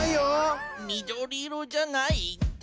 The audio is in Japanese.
みどりいろじゃないって。